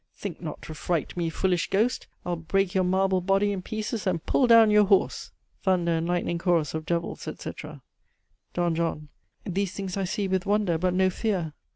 Think not to fright me, foolish ghost; I'll break your marble body in pieces and pull down your horse. (Thunder and lightning chorus of devils, etc.) "D. JOHN. These things I see with wonder, but no fear.